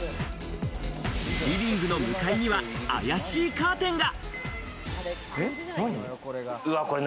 リビングの向かいには、あやしいカーテンが。